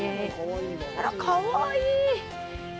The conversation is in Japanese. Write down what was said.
あら、かわいい。